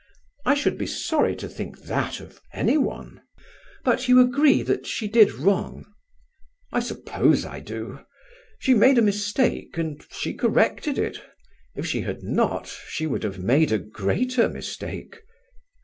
"I should be sorry to think that of any one." "But you agree that she did wrong." "I suppose I do. She made a mistake and she corrected it. If she had not, she would have made a greater mistake."